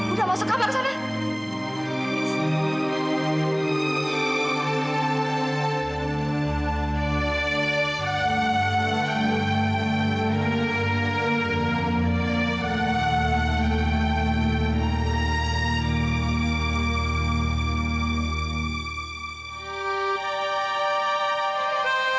udah masuk kamar kesana